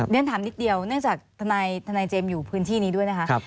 เรียนถามนิดเดียวเนื่องจากทนายเจมส์อยู่พื้นที่นี้ด้วยนะคะ